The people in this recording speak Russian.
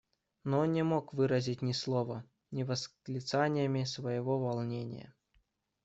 Но он не мог выразить ни словами, ни восклицаниями своего волнения.